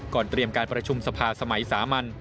เตรียมการประชุมสภาสมัยสามัญ